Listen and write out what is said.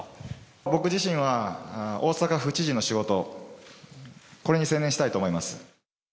僕自身は大阪府知事の仕事、これに専念したいと思います。